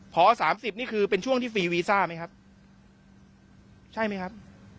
พอสามสิบนี่คือเป็นช่วงที่ฟรีวีซ่าไหมครับใช่ไหมครับ